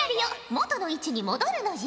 元の位置に戻るのじゃ。